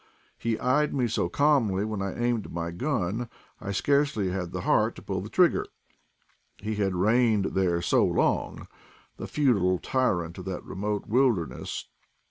He eyed me so calmly when I aimed my gun, I scarcely had the heart to pull the trigger. He had reigned there so long, the feudal tyrant of that remote wilderness